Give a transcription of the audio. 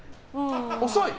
遅い？